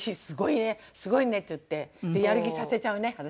すごいねすごいね」って言ってやる気にさせちゃうね。